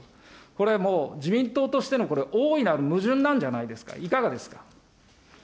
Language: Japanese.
これもう、自民党としてのこれ、大いなる矛盾なんじゃないですか、いかがですか。